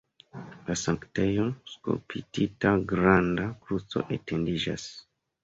En la sanktejo skulptita granda kruco etendiĝas.